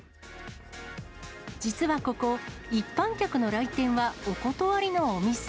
実はここ、一般客の来店はお断りのお店。